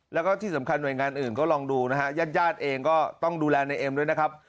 แล้วก็ที่สำคัญหน่วยงานอื่นก็ลองดูนะฮะญาติญาติเองก็ต้องดูแลในเอ็มด้วยนะครับ